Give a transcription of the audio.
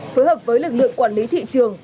phối hợp với lực lượng quản lý thị trường